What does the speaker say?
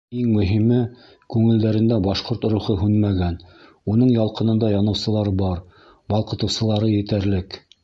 Иң мөһиме — күңелдәрендә башҡорт рухы һүнмәгән, уның ялҡынында яныусылар бар, балҡытыусылары етәрлек.